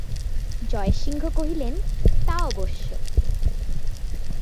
জয়সিংহ কহিলেন, তা অবশ্য।